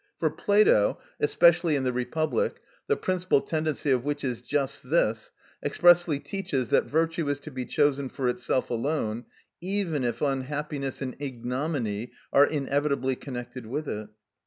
For Plato, especially in the "Republic," the principal tendency of which is just this, expressly teaches that virtue is to be chosen for itself alone, even if unhappiness and ignominy are inevitably connected with it.